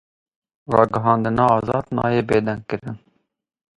Ragihandina azad nayê bêdengkirin.